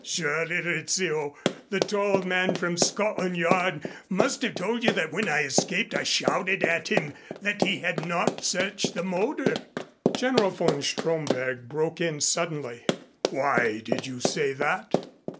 "Surely, Rizzio, the tall man from Scotland Yard must have told you that when I escaped I shouted to him that he had not searched the motor." General von Stromberg broke in suddenly. "Why did you say that?"